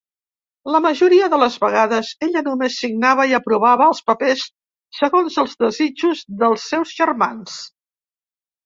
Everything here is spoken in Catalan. La majoria de les vegades ella només signava i aprovava els papers segons els desitjos dels seus germans.